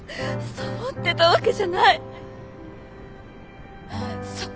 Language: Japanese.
サボってたわけじゃない。